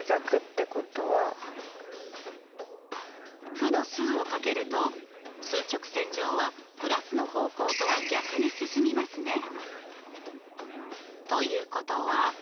負の数を掛けると数直線上は＋の方向とは逆に進みますね。ということは。